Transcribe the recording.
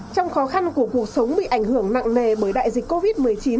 trong khó khăn của cuộc sống bị ảnh hưởng nặng nề bởi đại dịch covid một mươi chín